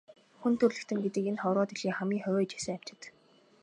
Хүн төрөлхтөн гэдэг энэ хорвоо дэлхийн хамгийн хувиа хичээсэн амьтад.